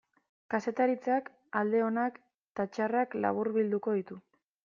Kazetaritzak alde onak eta txarrak laburbilduko ditut.